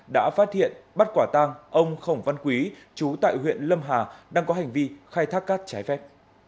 đã phát hiện bắt quả tang ông khổng văn quý chú tại huyện lâm hà đang có hành vi khai thác cát trái phép